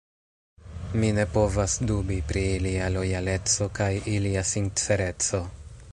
Mi ne povas dubi pri ilia lojaleco kaj ilia sincereco.